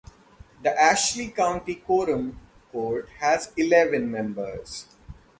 The Ashley County Quorum Court has eleven members.